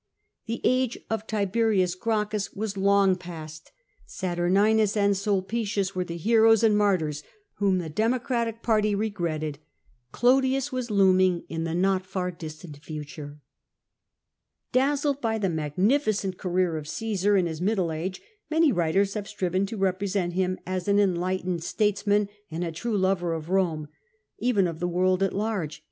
The age of Tiberius Gracchus was long past ; Saturninus and Sulpieius were the heroes and martyrs whom the Democratic party regretted. Clodius was looming in the not far distant future. Dazzled by the magnificent career of Csesar in his middle age, many writers have striven to represent him as an enlightened statesman and a true lover of Rome (even of the world at large